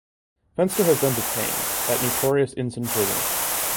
Fenster has been detained at notorious Insein Prison.